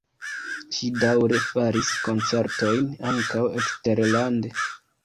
Ŝi daŭre faris koncertojn ankaŭ eksterlande.